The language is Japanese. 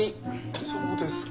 そうですか。